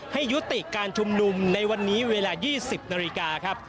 ให้ยุติการชุมนุมในวันนี้เวลา๒๐นาฬิกาครับ